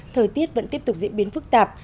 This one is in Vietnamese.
thời tiết vẫn tiếp tục diễn biến phức tạp